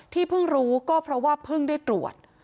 เพิ่งรู้ก็เพราะว่าเพิ่งได้ตรวจ